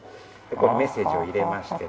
このメッセージを入れまして。